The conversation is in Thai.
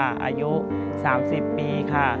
อายุ๓๐ปีค่ะ